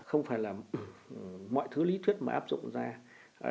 không phải là mọi thứ lý thuyết mà áp dụng ra